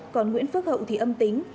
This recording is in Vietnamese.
còn nguyễn phước hậu thì âm tính